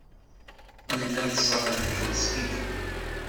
Nella nettẓalla deg tmesgida.